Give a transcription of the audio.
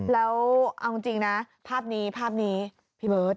แล้วเอาจริงนะภาพนี้พี่เบิร์ต